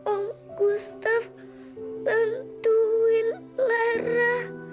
om gustaf bantuin lara